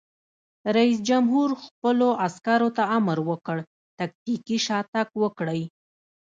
رئیس جمهور خپلو عسکرو ته امر وکړ؛ تکتیکي شاتګ وکړئ!